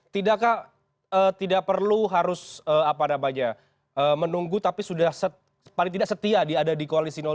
tidakkah tidak perlu harus menunggu tapi sudah paling tidak setia ada di koalisi dua